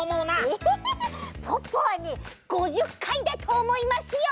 えポッポはね５０かいだとおもいますよ！